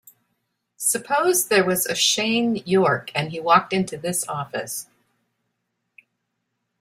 Suppose there was a Shane York and he walked into this office.